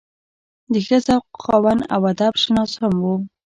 د ښۀ ذوق خاوند او ادب شناس هم وو